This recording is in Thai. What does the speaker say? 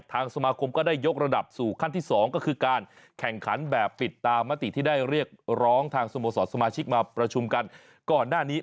ทางสมาคมก็ได้ยกระดับสู่ขั้นที่๒ก็คือการแข่งขันแบบปิดตามมติที่ได้เรียกร้องทางสโมสรสมาชิกมาประชุมกันก่อนหน้านี้